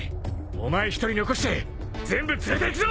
お前一人残して全部連れていくぞ！